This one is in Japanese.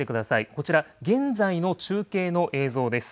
こちら、現在の中継の映像です。